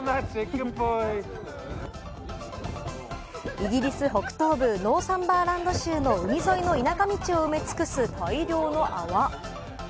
イギリス北東部ノーサンバーランド州の海沿いの田舎道を埋め尽くす大量の泡。